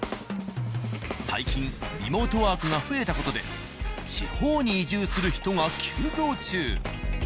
最近リモートワークが増えた事で地方に移住する人が急増中。